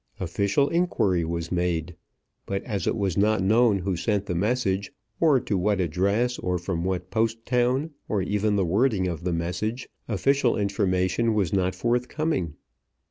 Official inquiry was made; but as it was not known who sent the message, or to what address, or from what post town, or even the wording of the message, official information was not forthcoming.